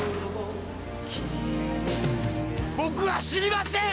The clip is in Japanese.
「僕は死にません」